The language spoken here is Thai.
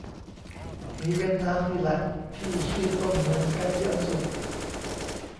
มีเวียดนามนี่แหละ ที่ชื่อต้นเหมือนกันเยอะสุด